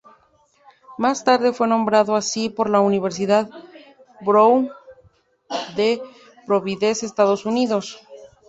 Más tarde fue nombrado así por la universidad Brown de Providence, Estados Unidos.